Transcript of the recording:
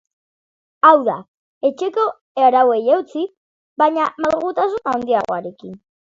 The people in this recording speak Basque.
Hau da, etxeko arauei eutsi, baina malgutasun handiagoarekin.